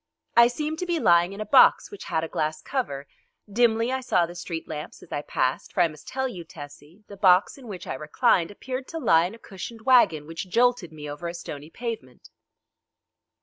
I seemed to be lying in a box which had a glass cover. Dimly I saw the street lamps as I passed, for I must tell you, Tessie, the box in which I reclined appeared to lie in a cushioned wagon which jolted me over a stony pavement.